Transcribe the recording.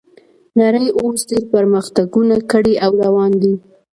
نړۍ اوس ډیر پرمختګونه کړي او روان دي